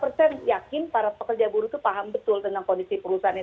karena saya seratus yakin para pekerja buruh itu paham betul tentang kondisi perusahaan itu